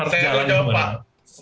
saya mau jawab pak